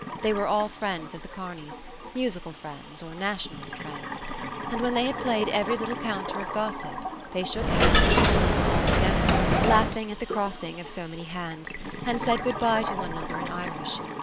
They were all friends of the Kearneys—musical friends or Nationalist friends; and, when they had played every little counter of gossip, they shook hands with one another all together, laughing at the crossing of so many hands, and said good bye to one another in Irish.